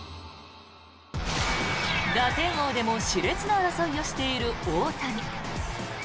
打点王でもし烈な争いをしている大谷。